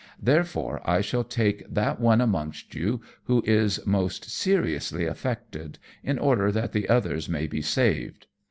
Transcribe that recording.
Therefore, I shall take that one amongst you who is most seriously affected, in order that the others may be saved.